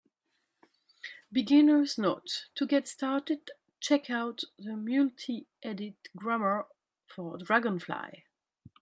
Beginner's note: to get started, check out the multiedit grammar for dragonfly.